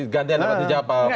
gantian apa dijawab oleh pak lopik